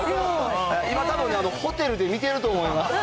今たぶんね、ホテルで見てると思います。